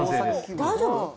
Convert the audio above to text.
大丈夫？